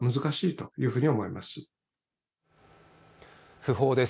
訃報です。